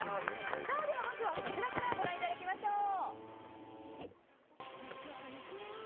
ではまずはこちらからご覧いただきましょう。